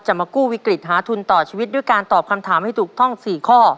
มากู้วิกฤตหาทุนต่อชีวิตด้วยการตอบคำถามให้ถูกต้อง๔ข้อ